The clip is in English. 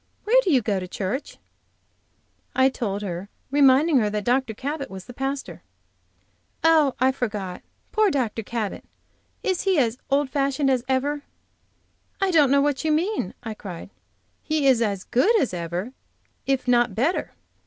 Where do you go to church?" I told her, reminding her that Dr. Cabot was its pastor. "Oh, I forgot! Poor Dr. Cabot! Is he as old fashioned as ever?" "I don't know what you mean," I cried. "He is as good as ever, if not better.